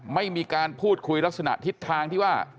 ไม่มีการพูดคุยลักษณะทิศทางที่ว่า